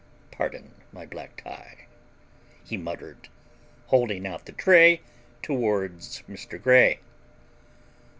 "Pardon my black tie," he muttered, holding out the tray toward Mr. Grey.